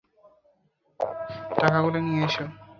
টাকাগুলো নিয়ে এসো!